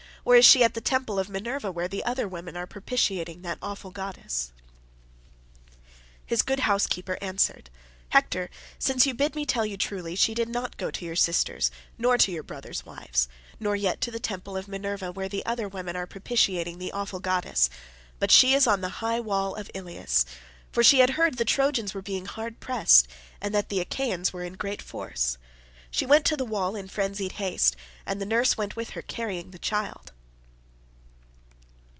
or is she at the temple of Minerva where the other women are propitiating the awful goddess?" His good housekeeper answered, "Hector, since you bid me tell you truly, she did not go to your sisters nor to your brothers' wives, nor yet to the temple of Minerva, where the other women are propitiating the awful goddess, but she is on the high wall of Ilius, for she had heard the Trojans were being hard pressed, and that the Achaeans were in great force: she went to the wall in frenzied haste, and the nurse went with her carrying the child."